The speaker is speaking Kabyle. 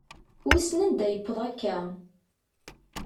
Wisen anda yewweḍ akka?